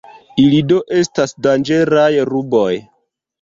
Ili do estas danĝeraj ruboj.